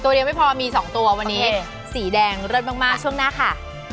เดียวไม่พอมี๒ตัววันนี้สีแดงเลิศมากช่วงหน้าค่ะ